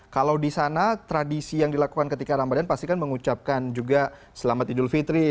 kalau di sana tradisi yang dilakukan ketika ramadhan pasti kan mengucapkan juga selamat idul fitri